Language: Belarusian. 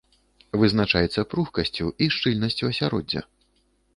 Вызначаецца пругкасцю і шчыльнасцю асяроддзя.